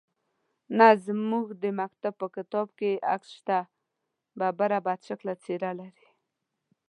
_نه، زموږ د مکتب په کتاب کې يې عکس شته. ببره، بدشکله څېره لري.